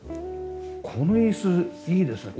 この椅子いいですね。